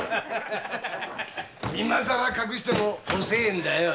今更隠しても遅いんだよ。